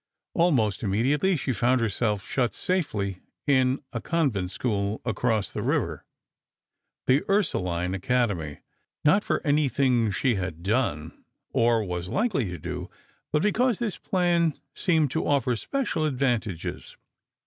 Almost immediately she found herself shut safely in a convent school across the river—The Ursuline Academy—not for anything she had done, or was likely to do, but because this plan seemed to offer special advantages.